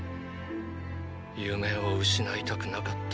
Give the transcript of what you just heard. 夢を失いたくなかった。